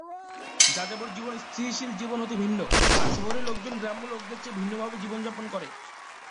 যাযাবর জীবন স্থিতিশীল জীবন হতে ভিন্ন, আর শহুরে লোকজন গ্রাম্য লোকেদের চেয়ে ভিন্নভাবে জীবনযাপন করে।